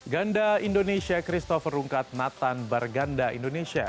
ganda indonesia christopher rungkat nathan barganda indonesia